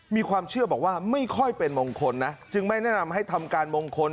มีความเชื่อบอกว่าไม่ค่อยเป็นมงคลนะจึงไม่แนะนำให้ทำการมงคล